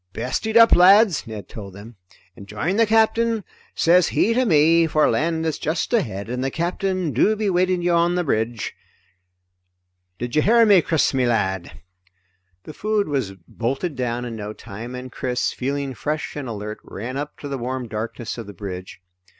"Best eat up, lads," Ned told them, "and join the Captain, sez he to me, for land is just ahead and the Captain do be waiting you on the bridge, Chris, me lad." The food was bolted down in no time and Chris, feeling fresh and alert, ran up to the warm darkness of the bridge.